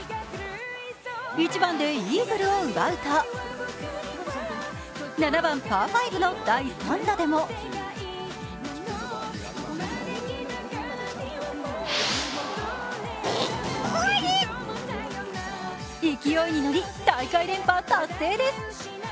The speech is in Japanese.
１番でイーグルを奪うと７番・パー５の第３打でも勢いに乗り、大会連覇達成です。